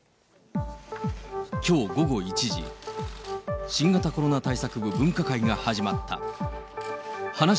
きょう午後１時、新型コロナ対策の分科会が始まった。